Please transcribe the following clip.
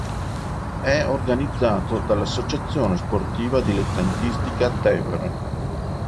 È organizzato dall'Associazione sportiva dilettantistica Tevere.